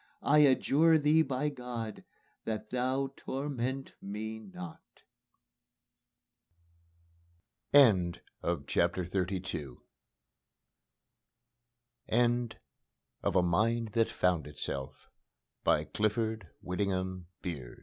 I adjure Thee by God, that Thou torment me not." End of the Project Gutenberg EBook of A Mind That Found Itself by Clifford Whittingham B